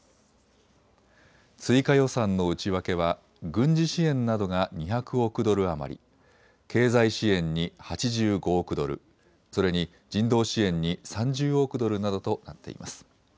追加予算の内訳は軍事支援などが２００億ドル余り、経済支援に８５億ドル、それに人道支援に３０億ドルなどとなっています。